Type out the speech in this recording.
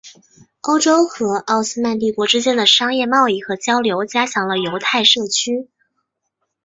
欧洲和奥斯曼帝国之间的商业贸易和交流加强了犹太社区。